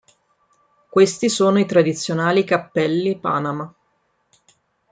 Questi sono i tradizionali cappelli panama.